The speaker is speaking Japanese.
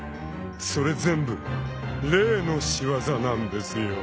［それ全部霊の仕業なんですよ］